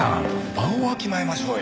場をわきまえましょうよ。